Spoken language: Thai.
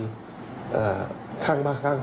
ก็มีการออกรูปรวมปัญญาหลักฐานออกมาจับได้ทั้งหมด